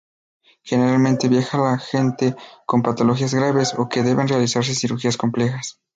Generalmente viajan la gente con patologías graves o que deben realizarse cirugías complejas.